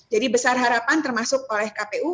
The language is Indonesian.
jadi besar harapan termasuk oleh kpu